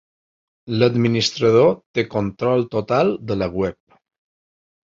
L'administrador té control total de la web.